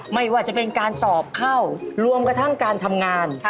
ไม่ว่าจะเป็นการสอบเข้ารวมกระทั่งการทำงาน